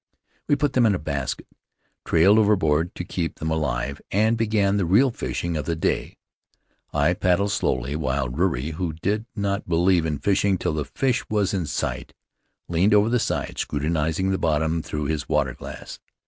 We put them in a basket, trailed over board to keep them alive, and began the real fishing of the day. I paddled slowly, while Ruri — who did not believe in fishing till the fish was in sight — leaned over the side, scrutinizing the bottom through his water glass.